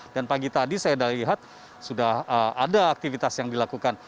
dan pagi tadi saya lihat sudah ada aktivitas yang dilakukan